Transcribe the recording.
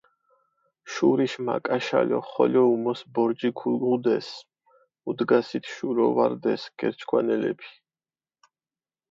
შურიშ მაკაშალო ხოლო უმოს ბორჯი ქუღუდეს, მუდგასით შურო ვარდეს გერჩქვანელეფი.